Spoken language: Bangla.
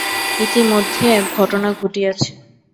ইতিমধ্যে এক ঘটনা ঘটিয়াছে।